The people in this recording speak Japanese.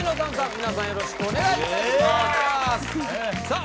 皆さんよろしくお願いいたしますさあ